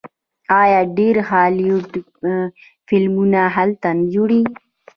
آیا ډیر هالیوډ فلمونه هلته نه جوړیږي؟